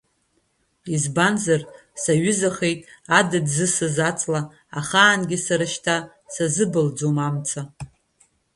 Избанзар, саҩызахеит адыд зысыз аҵла, ахаангьы сара шьҭа сазыбылӡом амца.